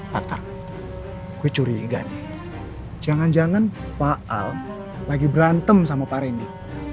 kecuri gan jangan jangan pak al lagi berantem sama pari